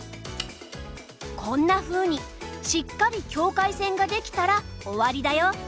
こんなふうにしっかり境界線ができたら終わりだよ。